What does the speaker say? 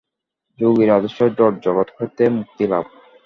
যোগীর আদর্শ জড়-জগৎ হইতে মুক্তিলাভ।